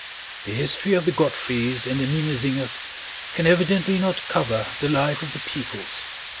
The history of the Godfreys and the Minnesingers can evidently not cover the life of the peoples.